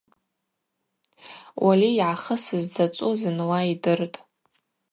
Уали йгӏахысыз дзачӏву зынла йдыртӏ.